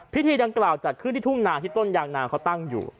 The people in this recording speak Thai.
พิธีดังกล่าวจัดขึ้นที่ทุ่งนาที่ต้นยางนาเขาตั้งอยู่